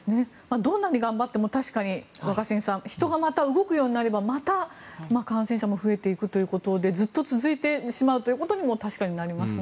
どんなに頑張っても若新さん人がまた動くようになればまた感染者が増えていくということでずっと続いてしまうということにも確かになりますね。